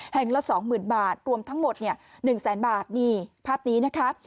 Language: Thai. แห่งละ๒หมื่นบาทรวมทั้งหมด๑แสนบาทภาพนี้นะคะ